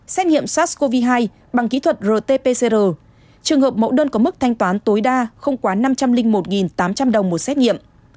xét nghiệm sars cov hai bằng kỹ thuật rt pcr trường hợp mẫu đơn có mức thanh toán tối đa không quá năm trăm linh một tám trăm linh đồng một xét nghiệm